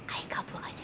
ay kabur aja